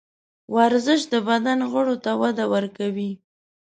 ورزش د بدن غړو ته وده ورکوي.